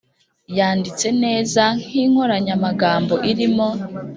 Yanditse neza nk inkoranyamagambo irimo